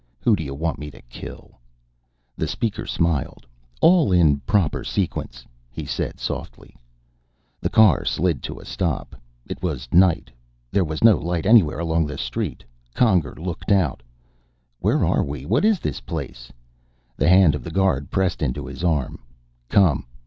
Who do you want me to kill?" The Speaker smiled. "All in proper sequence," he said softly. The car slid to a stop. It was night; there was no light anywhere along the street. Conger looked out. "Where are we? What is this place?" The hand of the guard pressed into his arm. "Come.